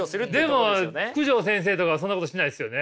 でも九条先生とかはそんなことしないですよね。